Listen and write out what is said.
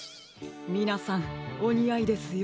みなさんおにあいですよ。